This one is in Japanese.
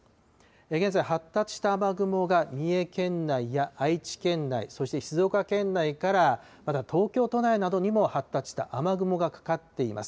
現在、発達した雨雲が三重県内や愛知県内、そして静岡県内から、また東京都内などにも発達した雨雲がかかっています。